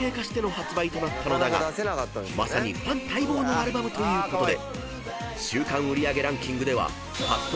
［まさにファン待望のアルバムということで］